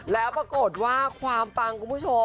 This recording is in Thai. แล้วปรากฏว่าความปังคุณผู้ชม